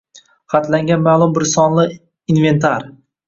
Xatlangan ma’lum bir sonli inventar`: